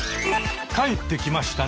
帰ってきました